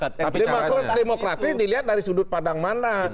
tapi dimaksud demokratis dilihat dari sudut pandang mana